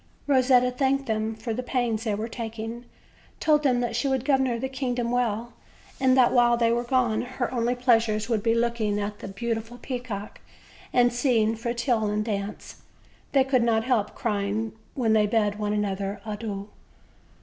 Eosetta thanked them for the pains they were taking, told them that she would govern the kingdom well, and that while they were gone her only pleasures would be looking at the beautiful peacock and seeing Fretillon dance. They could not help crying when they bade one another adieu.